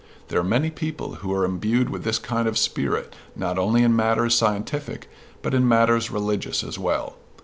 There are many people who are imbued with this kind of spirit not only in matters scientific, but in matters religious as well.